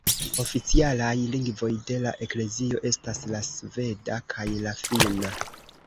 Oficialaj lingvoj de la eklezio estas la sveda kaj la finna.